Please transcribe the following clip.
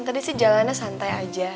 tadi sih jalannya santai aja